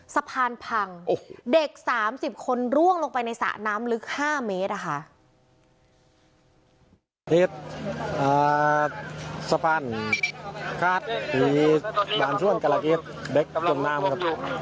สะพานพังเด็ก๓๐คนร่วงลงไปในสระน้ำลึก๕เมตรอะค่ะ